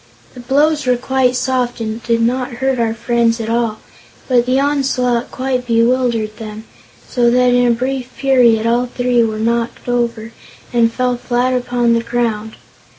The blows were quite soft and did not hurt our friends at all, but the onslaught quite bewildered them, so that in a brief period all three were knocked over and fell flat upon the ground.